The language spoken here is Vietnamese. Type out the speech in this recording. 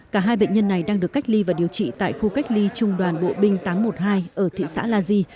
cả hai bệnh nhân này đang được cách ly và điều trị tại khu cách ly trung đoàn bộ binh tám trăm một mươi hai ở thị xã la di